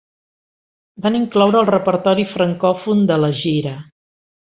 Van incloure el repertori francòfon de la gira.